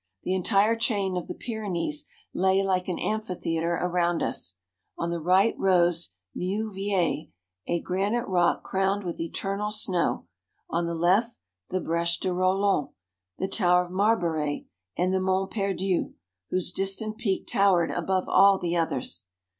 The entire chain of the Pyrenees lay like an amphitheatre around us. On the right rose Neouvielle, a granite rock crowned with eternal snow; on the left, the Breche de Poland, the tower of Marbore, and the Mont Perdu, whose distant peak towered above all the others.